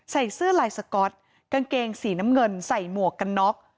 ใส่เสื้อลายสก๊อตกางเกงสีน้ำเงินใส่หมวกกันน็อก